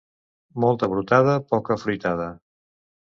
Molta brotada, poca fruitada.